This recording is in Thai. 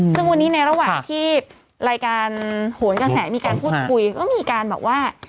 ซึ่งวันนี้ในระหว่างที่รายการโหนกระแสมีการพูดคุยก็มีการแบบว่า